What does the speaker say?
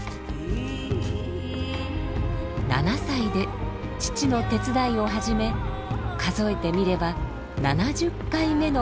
７歳で父の手伝いを始め数えてみれば７０回目の田おこし。